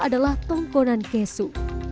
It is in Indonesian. adalah tongkonan kesu